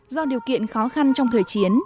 do điều kiện khó khăn trong thời chiến